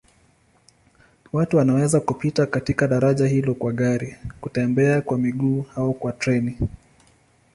Watu wanaweza kupita katika daraja hilo kwa gari, kutembea kwa miguu au kwa treni.